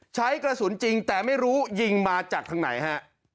ใช้กระสุนจริงแต่ไม่รู้ยิงมาจากทางไหนฮะ